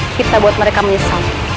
kita buat mereka menyesal